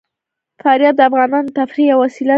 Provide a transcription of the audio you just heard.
فاریاب د افغانانو د تفریح یوه وسیله ده.